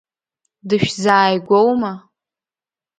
Дышәзааигәоума?